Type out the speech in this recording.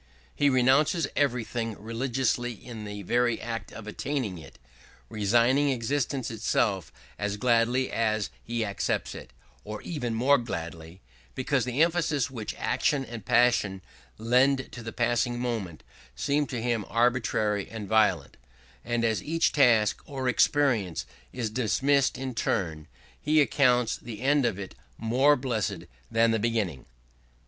He renounces everything religiously in the very act of attaining it, resigning existence itself as gladly as he accepts it, or even more gladly; because the emphasis which action and passion lend to the passing moment seems to him arbitrary and violent; and as each task or experience is dismissed in turn, he accounts the end of it more blessed than the beginning.